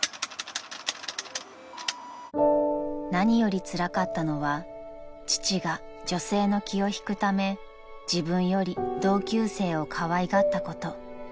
［何よりつらかったのは父が女性の気を引くため自分より同級生をかわいがったこと］